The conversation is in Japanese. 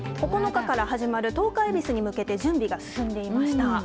９日から始まる十日えびすに向けて準備が進んでいました。